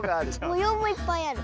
もようもいっぱいある。